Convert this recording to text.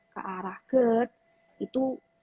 ke arah gerd itu